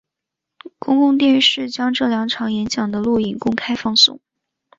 公共电视将这两场演讲的录影公开放送。